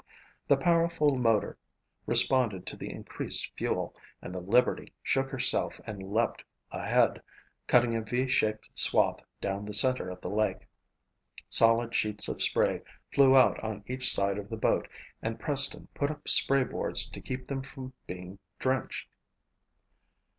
The powerful motor responded to the increased fuel and the Liberty shook herself and leaped ahead, cutting a v shaped swath down the center of the lake. Solid sheets of spray flew out on each side of the boat and Preston put up spray boards to keep them from being drenched.